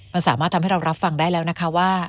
มันสามารถทำให้เรารับฟังได้แล้วนะคะว่า